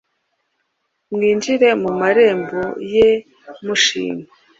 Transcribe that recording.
Mwinjire mu marembo ye mushima,